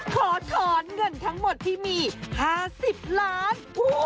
ขอถอนเงินทั้งหมดที่มี๕๐ล้าน